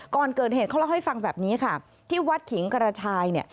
ก่อนเกิดเหตุเขาเล่าให้ฟังแบบนี้ค่ะที่วัดขิงกระชายเนี่ย